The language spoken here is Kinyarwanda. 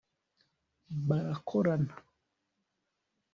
barakorana